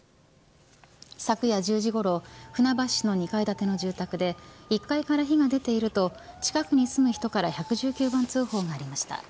昨夜１０時ごろ船橋市の２階建ての住宅で１階から火が出ていると近くに住む人から１１９番通報がありました。